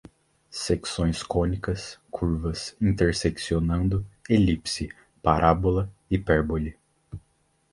secções cônicas, curvas, interseccionando, elipse, parábola, hipérbole